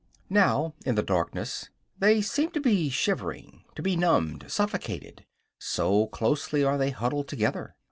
Now, in the darkness, they seem to be shivering; to be numbed, suffocated, so closely are they huddled together.